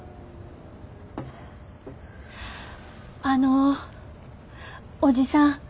あのおじさん。